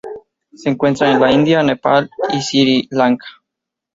Se encuentra en la India, Nepal y Sri Lanka.